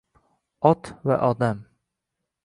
Ot va odam